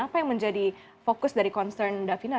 apa yang menjadi fokus dari concern davina